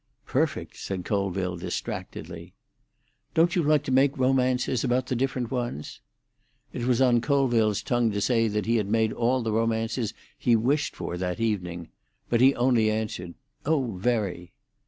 "Perfect," said Colville distractedly. "Don't you like to make romances about the different ones?" It was on Colville's tongue to say that he had made all the romances he wished for that evening, but he only answered, "Oh, very."